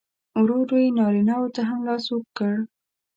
ورو ورو یې نارینه و ته هم لاس اوږد کړ.